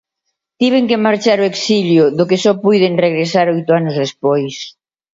Tiven que marchar ao exilio, do que só puiden regresar oito anos despois.